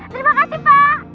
terima kasih pak